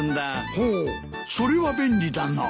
ほおそれは便利だな。